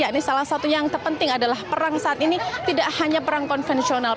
ini salah satu yang terpenting adalah perang saat ini tidak hanya perang konvensional